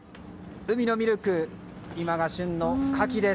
海のミルク、今が旬のカキです。